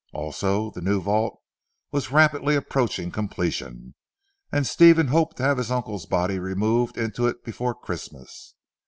Also the new vault was rapidly approaching completion and Stephen hoped to have his uncle's body removed into it before Christmas.